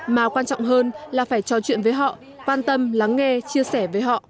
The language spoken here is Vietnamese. mà quan trọng hơn là phải trò chuyện với họ quan tâm lắng nghe chia sẻ với họ